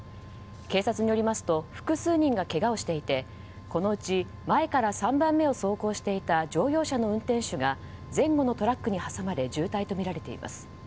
警察によりますと複数人がけがをしていてこのうち前から３番目を走行していた乗用車の運転手が前後のトラックに挟まれ重体とみられています。